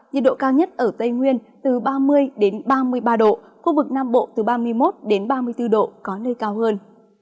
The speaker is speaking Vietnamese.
nhiệt độ cao nhất ở tây nguyên từ ba mươi ba mươi ba độ khu vực nam bộ từ ba mươi một ba mươi bốn độ có nơi cao hơn